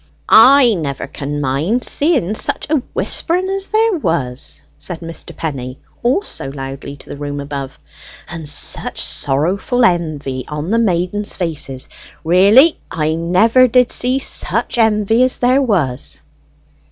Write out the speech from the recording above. "I never can mind seeing such a whispering as there was," said Mr. Penny, also loudly, to the room above. "And such sorrowful envy on the maidens' faces; really, I never did see such envy as there was!"